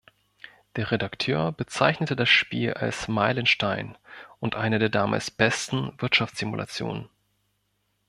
Der Redakteur bezeichnete das Spiel als „Meilenstein“ und eine der damals „besten Wirtschaftssimulationen“.